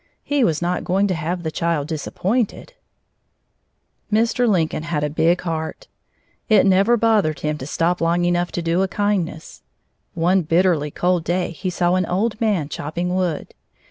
He was not going to have the child disappointed. [Illustration: "How big is your trunk?" Page 88.] Mr. Lincoln had a big heart. It never bothered him to stop long enough to do a kindness. One bitterly cold day he saw an old man chopping wood.